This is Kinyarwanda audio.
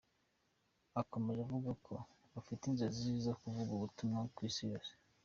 Akomeza avuga ko bafite inzozi zo kuvuga ubutumwa ku Isi yose.